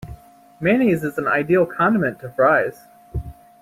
Mayonnaise is an ideal condiment to Fries.